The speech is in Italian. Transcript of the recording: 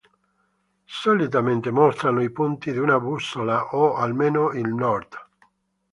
Solitamente mostrano i punti di una bussola, o almeno il Nord.